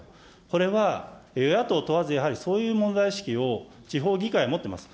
これは与野党問わず、やはりそういう問題意識を、地方議会持ってます。